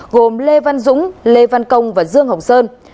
gồm lê văn dũng lê văn công và dương hồng sơn